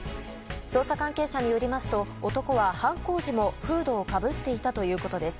捜査関係者によりますと男は犯行時もフードをかぶっていたということです。